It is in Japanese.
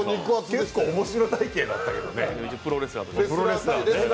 結構面白体型だったけどね。